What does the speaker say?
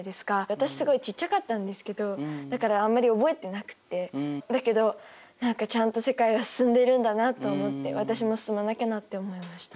私すごいちっちゃかったんですけどだからあんまり覚えてなくってだけど何かちゃんと世界は進んでるんだなって思って私も進まなきゃなって思いました。